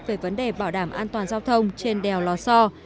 về vấn đề bảo đảm an toàn giao thông trên đèo lò so